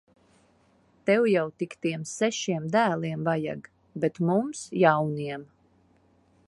Tev jau tik tiem sešiem dēliem vajag! Bet mums jauniem.